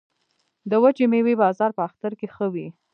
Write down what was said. د وچې میوې بازار په اختر کې ښه وي